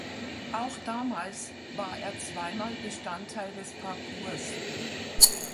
Auch damals war er zweimal Bestandteil des Parcours.